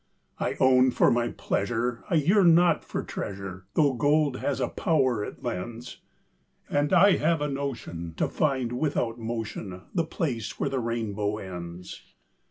I own for my pleasure, I yearn not for treasure, Though gold has a power it lends; And I have a notion, To find without motion, The place where the rainbow ends.